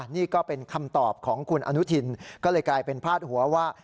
นี่ก็เป็นคำตอบของคุณอนุทินก็เลยกลายเป็นพาดหัวว่า